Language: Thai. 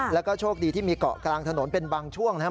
แล้วก็โชคดีที่มีเกาะกลางถนนเป็นบางช่วงนะครับ